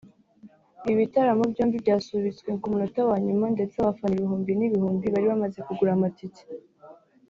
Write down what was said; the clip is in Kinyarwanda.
Ibi bitaramo byombi byasubitswe ku munota wa nyuma ndetse abafana ibihumbi n’ibihumbi bari bamaze kugura amatike